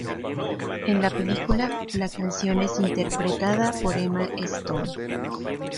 En la película, la canción es interpretada por Emma Stone.